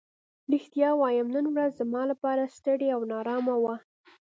رښتیا ووایم نن ورځ زما لپاره ستړې او نا ارامه وه.